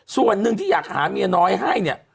ส่วนหนึ่งที่อยากหาเมียน้อยให้เนี่ย